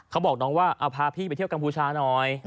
เขาบอกน้องว่าเอาพาพี่ไปเที่ยวกัมพูชาหน่อย